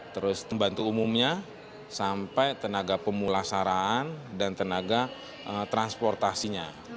terus bantu umumnya sampai tenaga pemulasaraan dan tenaga transportasinya